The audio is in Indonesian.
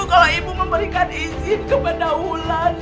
kalau ibu memberikan izin kepada wulan